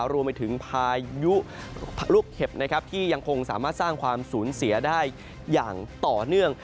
รวมไปถึงพายุลูกเห็บนะครับที่ยังคงสามารถสร้างความสูญเสียได้อย่างต่อเนื่อง